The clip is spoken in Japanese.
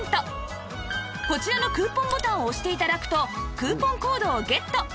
こちらのクーポンボタンを押して頂くとクーポンコードをゲット